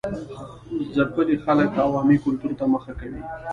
ځپلي خلک عوامي کلتور ته مخه کوي.